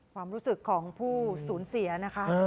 ความรู้สึกของผู้สูญเสียนะคะ